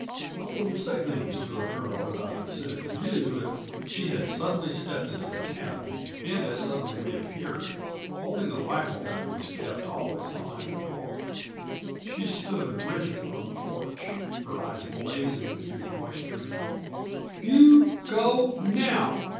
I wouldn't say things to a girl that I said to you if " She had suddenly stepped into the cabin and as suddenly reappeared holding the rifle that was kept always behind the door. She stood rigid on the porch, her eyes blazing through the moisture in them. "You go now!"